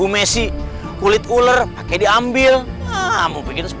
aku akan menganggap